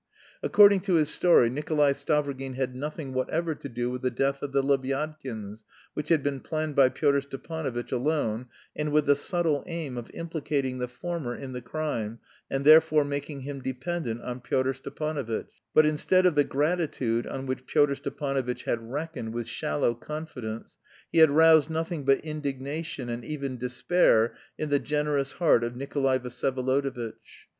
According to his story Nikolay Stavrogin had nothing whatever to do with the death of the Lebyadkins, which had been planned by Pyotr Stepanovitch alone and with the subtle aim of implicating the former in the crime, and therefore making him dependent on Pyotr Stepanovitch; but instead of the gratitude on which Pyotr Stepanovitch had reckoned with shallow confidence, he had roused nothing but indignation and even despair in "the generous heart of Nikolay Vsyevolodovitch."